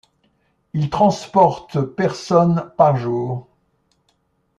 Il transporte personnes par jour.